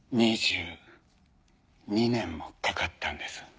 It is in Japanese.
２２年もかかったんです。